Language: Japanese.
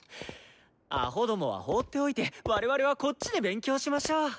アホどもは放っておいて我々はこっちで勉強しましょう。